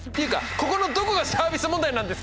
ここのどこがサービス問題なんですか！？